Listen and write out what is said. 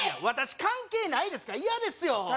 私関係ないですから嫌ですよ